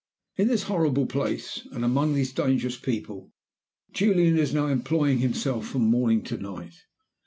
In this horrible place, and among these dangerous people, Julian is now employing himself from morning to night.